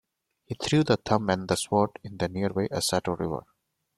He threw the thumb and the sword in the nearby Asato River.